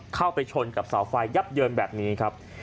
เข้าไปชนกับเสาไฟยับเยินแบบนี้ครับ